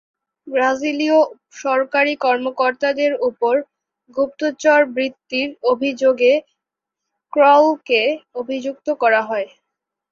ব্রাজিলীয় সরকারি কর্মকর্তাদের উপর গুপ্তচরবৃত্তির অভিযোগে ক্রলকে অভিযুক্ত করা হয়।